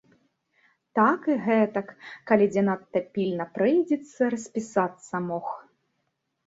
Так і гэтак, калі дзе надта пільна прыйдзецца, распісацца мог.